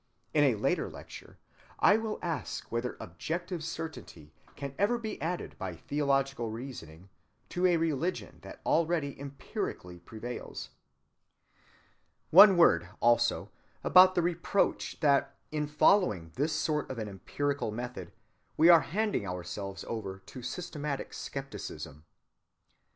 In a later lecture I will ask whether objective certainty can ever be added by theological reasoning to a religion that already empirically prevails. ‐‐‐‐‐‐‐‐‐‐‐‐‐‐‐‐‐‐‐‐‐‐‐‐‐‐‐‐‐‐‐‐‐‐‐‐‐ One word, also, about the reproach that in following this sort of an empirical method we are handing ourselves over to systematic skepticism.